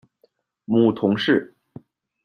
母童氏。